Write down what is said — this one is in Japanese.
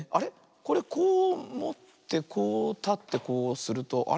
これこうもってこうたってこうするとあれ？